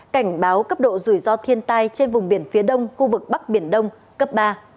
cảnh báo cấp độ rủi ro thiên tai trên vùng biển phía đông khu vực bắc biển đông cấp ba